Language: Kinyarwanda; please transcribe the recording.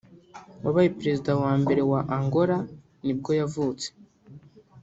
wabaye perezida wa mbere wa Angola nibwo yavutse